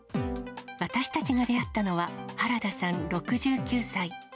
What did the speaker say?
私たちが出会ったのは、原田さん６９歳。